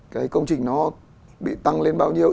cái công trình nó bị tăng lên bao nhiêu